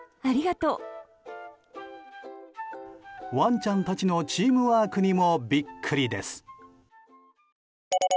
ワンちゃんたちのチームワークにもビックリです。